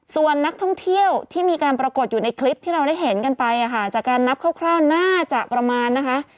ส่วนนักท่องเที่ยวที่มีการปรากฏอยู่ในคลิปที่เราได้เห็นกันไปอ่ะค่ะจากการนับคร่าวน่าจะประมาณนะคะ